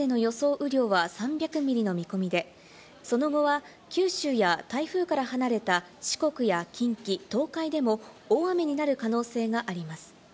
雨量は３００ミリの見込みで、その後は、九州や台風から離れた四国や近畿、東海でも大雨になる可能性があります。